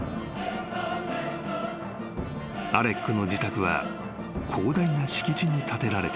［アレックの自宅は広大な敷地に建てられている］